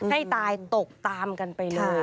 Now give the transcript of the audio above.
ให้ตายตกตามกันไปเลย